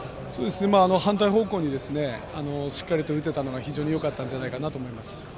反対方向にしっかり打てたのが非常によかったんじゃないかと思います。